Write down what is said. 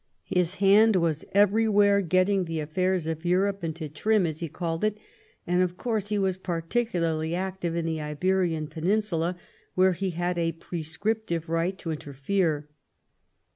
His hand was everywhere, " getting the afiairs of Europe into trim," as he called it ; and, of course, he was par ticularly active in the Iberian peninsula, where he had a prescriptive right to interfere.